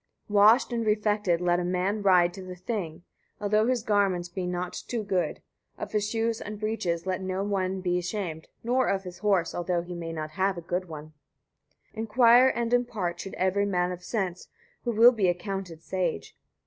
61. Washed and refected let a man ride to the Thing, although his garments be not too good; of his shoes and breeches let no one be ashamed, nor of his horse, although he have not a good one. 62. Inquire and impart should every man of sense, who will be accounted sage.